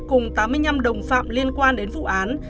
cùng tám mươi năm đồng phạm liên quan đến vụ án